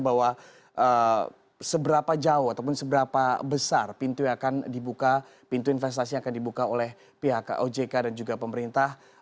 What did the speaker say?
bahwa seberapa jauh ataupun seberapa besar pintu yang akan dibuka pintu investasi yang akan dibuka oleh pihak ojk dan juga pemerintah